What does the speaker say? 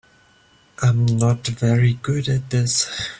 I'm not very good at this.